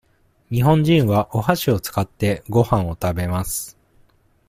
日本人はおはしを使って、ごはんを食べます。